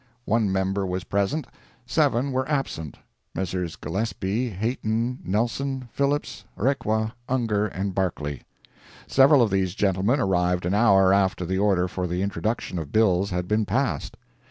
One member was present—seven were absent: Messrs. Gillespie, Heaton, Nelson, Phillips, Requa, Ungar and Barclay. Several of these gentlemen arrived an hour after the order for the introduction of bills had been passed.